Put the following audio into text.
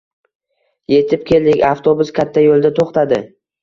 Yetib keldik. Avtobus katta yoʻlda toʻxtadi.